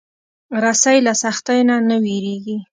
رسۍ له سختیو نه نه وېرېږي.